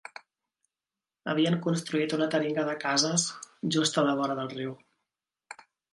Havien construït una teringa de cases just a la vora del riu.